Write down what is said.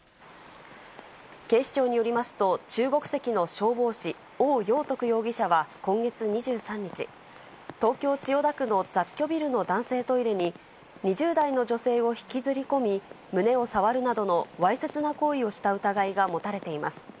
警視庁によりますと、中国籍の消防士、王燿徳容疑者は今月２３日、東京・千代田区の雑居ビルの男性トイレに、２０代の女性を引きずり込み、胸を触るなどのわいせつな行為をした疑いが持たれています。